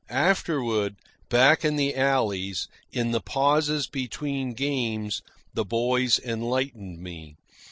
Afterward, back in the alleys, in the pauses between games, the boys enlightened me.